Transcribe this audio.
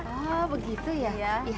oh begitu ya